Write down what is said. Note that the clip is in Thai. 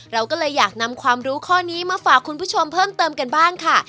เราก็เลยอยากนำความรู้ข้อนี้มาฝากคุณผู้ชมเพิ่มเติมกันบ้างค่ะ